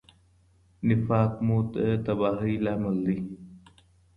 نفاق مو د تباهۍ لامل دی.